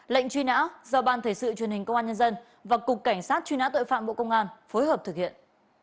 lệnh truy nã do ban thể sự truyền hình công an nhân dân và cục cảnh sát truy nã tội phạm bộ công an phối hợp thực hiện